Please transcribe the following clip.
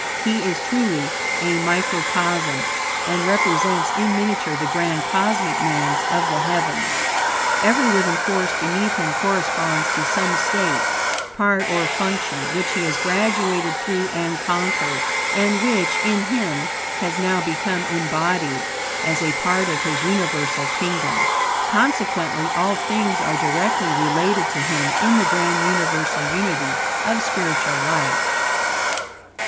He is truly a microcosm, and represents in miniature the grand Cosmic Man of the Heavens. Every living force beneath him corresponds to some state, part, or function, which he has graduated through and conquered, and which, in him, has now become embodied, as a part of his universal kingdom. Consequently, all things are directly related to him, in the grand universal unity of spiritual life.